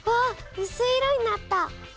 うすい色になった！